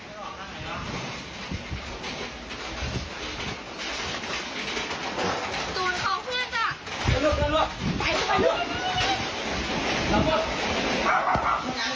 โทษนะจ้าตรวจเข้าเมื่อนแล้ว